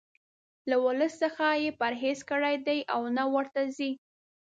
له ولس څخه یې پرهیز کړی دی او نه ورته ځي.